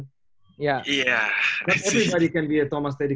semua orang bisa menjadi thomas teddy